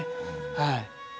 はい。